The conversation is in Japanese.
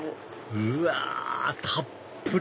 うわたっぷり！